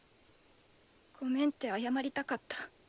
ごめんって謝りたかった。